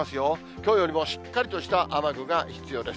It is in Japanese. きょうよりもしっかりとした雨具が必要です。